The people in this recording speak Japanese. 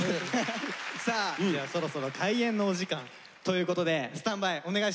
さあではそろそろ開演のお時間ということでスタンバイお願いしていいですか。